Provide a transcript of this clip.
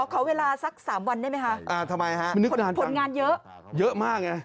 ขอเคาะเวลาสัก๓วันได้ไหมฮะทำไมฮะผลงานเยอะเยอะมากไง